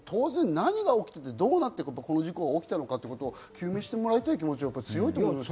何が起きていて、どうなってこの事故が起きたのかを究明してもらいたい気持ちは強いと思います。